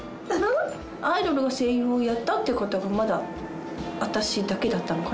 アイドルが声優をやったっていう方がまだ私だけだったのかな。